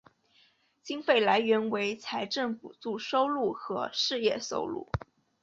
经费来源为财政补助收入和事业收入。